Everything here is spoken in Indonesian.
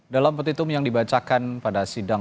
dalam petitum yang dibacakan pada sidang